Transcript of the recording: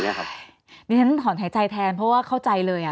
นี่ฉันถอนหายใจแทนเพราะว่าเข้าใจเลย